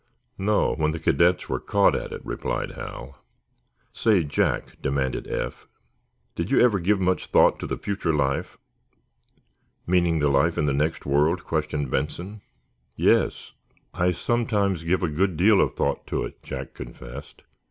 "No; when the cadets were caught at it," replied Hal. "Say, Jack," demanded Eph, "do you ever give much thought to the future life?" "Meaning the life in the next world?" questioned Benson. "Yes." "I sometimes give a good deal of thought to it," Jack confessed.